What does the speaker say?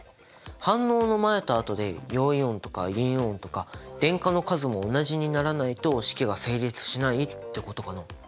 反応の前と後で陽イオンとか陰イオンとか電荷の数も同じにならないと式が成立しないってことかな？